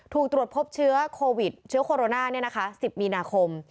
ถูกตรวจพบเชื้อโควิดเชื้อโคโรนา๑๐มีนาคม